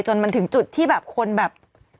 จนมันถึงจุดที่แบบคนแบบ